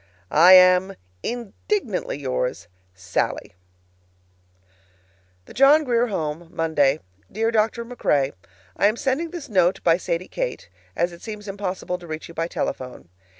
I am, Indignantly yours, SALLIE. THE JOHN GRIER HOME, Monday. Dear Dr. MacRae: I am sending this note by Sadie Kate, as it seems impossible to reach you by telephone.